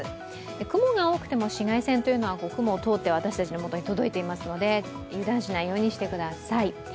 雲が多くても紫外線というのは雲を通って私たちのもとに届いていますので、油断しないようにしてください。